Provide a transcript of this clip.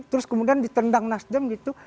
terus kemudian ditendang nasdem gitu